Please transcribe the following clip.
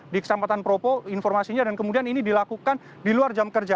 di kecamatan propo informasinya dan kemudian ini dilakukan di luar jam kerja